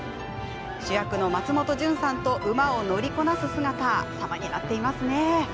主役の松本潤さんと馬を乗りこなす姿様になっていますね。